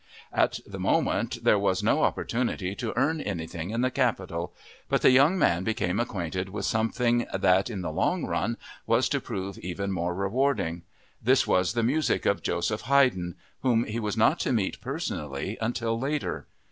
At the moment there was no opportunity to earn anything in the capital; but the young man became acquainted with something that, in the long run, was to prove even more rewarding. This was the music of Joseph Haydn, whom he was not to meet personally until later.